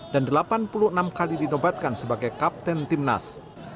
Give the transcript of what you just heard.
dan delapan puluh enam kali dinobatkan sebagai kapten timnas